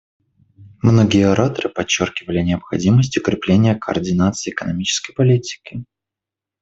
Многие ораторы подчеркивали необходимость укрепления координации экономической политики.